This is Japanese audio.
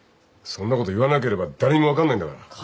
そんなこと言わなければ誰にも分かんないんだから。